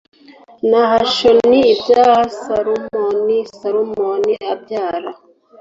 Nahashoni abyara Salumoni Salumoni abyara